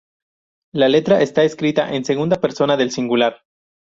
La letra está escrita en segunda persona del singular.